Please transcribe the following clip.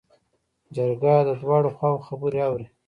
جرګه د دواړو خواوو خبرې اوري.